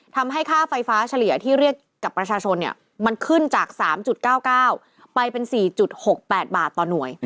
ทำให้ค่าไฟฟ้าเฉลี่ยที่เรียกกับประชาชนมันขึ้นจาก๓๙๙ไปเป็น๔๖๘บาทต่อหน่วย